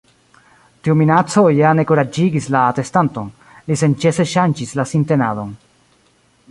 Tiu minaco ja ne kuraĝigis la atestanton. Li senĉese ŝanĝis la sintenadon.